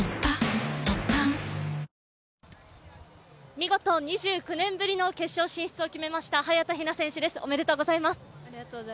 見事２９年ぶりの決勝進出を決めました早田ひな選手です、おめでとうございます。